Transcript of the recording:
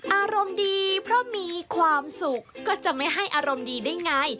อารมณ์ดีเพราะมีความสุขก็จะไม่ให้อารมณ์ดีได้ไง